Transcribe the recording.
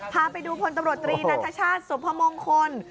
พาไปดูพลตำรวจตรีนัทชาติสุพมงคล